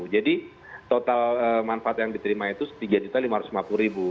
jadi total manfaat yang diterima itu rp tiga lima ratus lima puluh